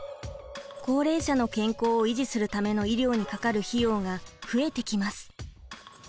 高齢者の健康を維持するための医療にかかる費用が増えてきます。